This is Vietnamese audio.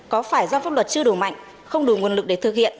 có phải do pháp luật chưa đủ mạnh không đủ nguồn lực để thực hiện